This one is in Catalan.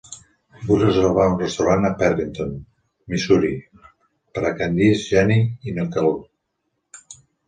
Vull reservar un restaurant a Perrytown, Missouri, per a candice, jeannie i nichole.